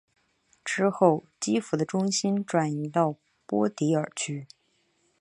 之后基辅的中心转移到波迪尔区。